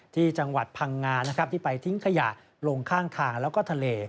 ที่จังหวัดพังงานะครับที่ไปทิ้งขยะลงข้างทางแล้วก็ทะเล